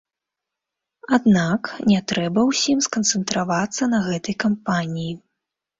Аднак, не трэба ўсім сканцэнтравацца на гэтай кампаніі.